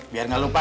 biar gak lupa